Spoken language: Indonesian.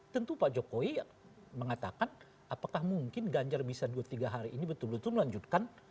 tentu pak jokowi mengatakan apakah mungkin ganjar bisa dua tiga hari ini betul betul melanjutkan